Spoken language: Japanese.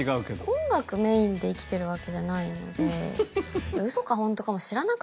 音楽メインで生きてるわけじゃないので。